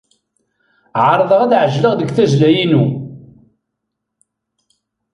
Ɛerḍeɣ ad ɛejleɣ deg tazzla-inu.